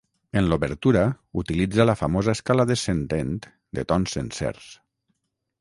En l'obertura utilitza la famosa escala descendent de tons sencers.